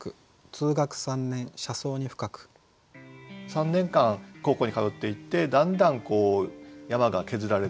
３年間高校に通っていてだんだん山が削られていくという。